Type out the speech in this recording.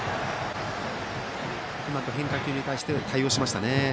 うまく変化球に対して対応しましたね。